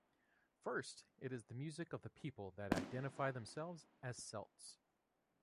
First, it is the music of the people that identify themselves as Celts.